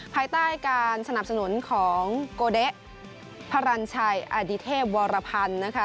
ภายใต้การสนับสนุนของโกเดะพระรันชัยอดิเทพวรพันธ์นะคะ